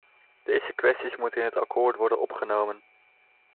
Deze kwesties moeten in het akkoord worden opgenomen.